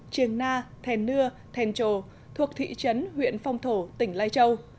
triềng na thèn nưa thèn trồ thuộc thị trấn huyện phong thổ tỉnh lai châu